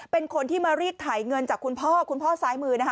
เป็นคนที่มารีดถ่ายเงินจากคุณพ่อคุณพ่อซ้ายมือนะคะ